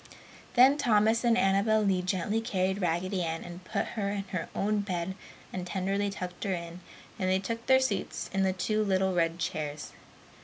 Then Thomas and Annabel Lee gently carried Raggedy Ann and put her in her own bed and tenderly tucked her in, and then took their seats in the two little red chairs.